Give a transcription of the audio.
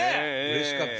嬉しかった。